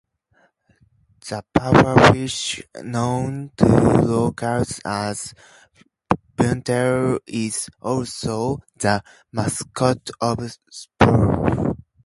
The pufferfish, known to locals as "buntal", is also the mascot of Spaoh.